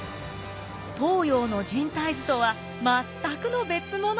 東洋の人体図とは全くの別物！